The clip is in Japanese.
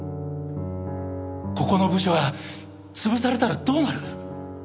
ここの部署が潰されたらどうなる？